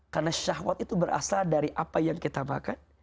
karena syahwat itu berasal dari apa yang kita makan